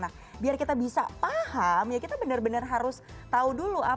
nah biar kita bisa paham ya kita benar benar harus tahu dulu